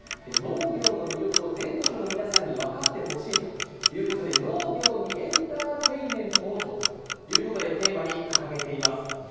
農業の魅力を全国の皆さんに分かってほしいということで、「農業にエンターテインメントを」ということでテーマに掲げています。